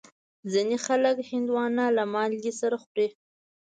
ځینې خلک هندوانه له مالګې سره خوري.